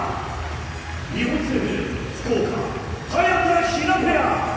日本生命、早田ひなペア。